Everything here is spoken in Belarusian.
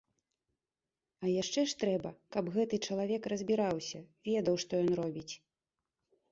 А яшчэ ж трэба, каб гэты чалавек разбіраўся, ведаў, што ён робіць.